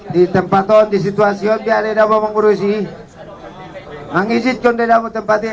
di tempatot di situasi obyeknya mau mengurusi mengizitkan deda mutem pati